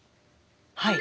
はい。